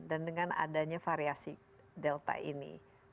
dan dengan adanya variasi delta ini